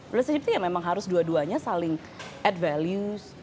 relationship tuh ya memang harus dua duanya saling add value